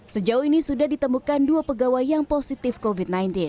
sejauh ini sudah ditemukan dua pegawai yang positif covid sembilan belas